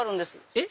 えっ？